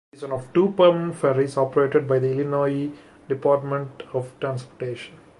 It is one of two permanent ferries operated by the Illinois Department of Transportation.